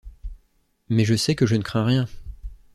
Mais je sais que je ne crains rien.